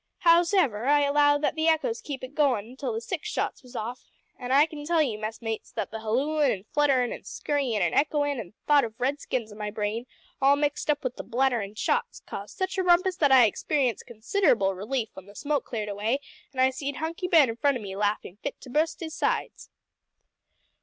Hows'ever, I allow that the echoes kep' it goin' till the six shots was off an' I can tell you, messmates, that the hallooin' an' flutterin' an' scurryin' an echoin' an' thought of Redskins in my brain all mixed up wi' the blatterin' shots, caused such a rumpus that I experienced considerable relief when the smoke cleared away an' I see'd Hunky Ben in front o' me laughin' fit to bu'st his sides."